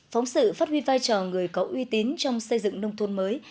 phóng sự phát huy vai trò người có uy tín trong xây dựng nông thôn mới